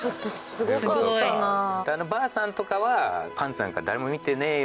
あのばあさんとかはパンツなんか誰も見てねえよ